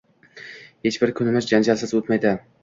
Hech bir kunimiz janjalsiz o`tmaydi